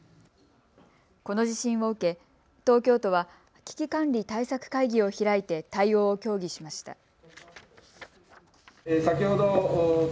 この地震を受け東京都は危機管理対策会議を開いて対応を協議しました。